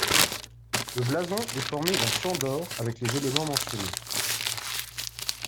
Le blason est formé d'un champ d'or avec les éléments mentionnés.